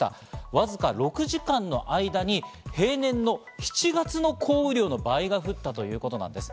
わずか６時間の間に平年の７月の降雨量の倍が降ったということなんです。